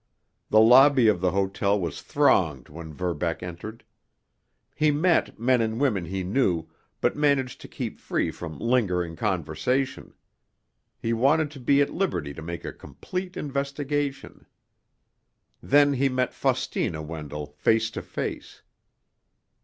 The lobby of the hotel was thronged when Verbeck entered. He met men and women he knew, but managed to keep free from lingering conversation. He wanted to be at liberty to make a complete investigation. Then he met Faustina Wendell face to face.